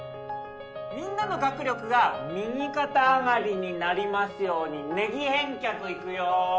みんなの学力が右肩上がりになりますようにネギ返却いくよ。